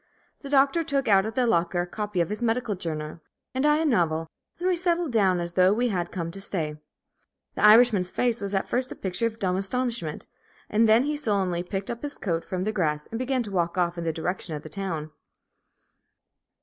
The Doctor took out of the locker a copy of his medical journal and I a novel, and we settled down as though we had come to stay. The Irishman's face was at first a picture of dumb astonishment, and then he sullenly picked up his coat from the grass, and began to walk off in the direction of the town.